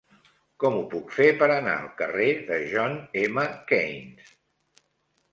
Com ho puc fer per anar al carrer de John M. Keynes?